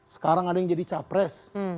sekarang ada yang jadi capres